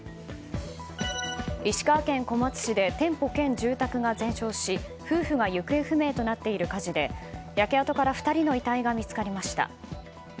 石川県小松市で店舗兼住宅が全焼し夫婦が行方不明となっている火事で焼け跡から２人の遺体が見つかりました。